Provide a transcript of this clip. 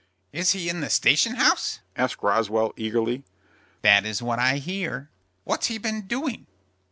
"Is he in the station house?" asked Roswell, eagerly. "That is what I hear." "What's he been doing?"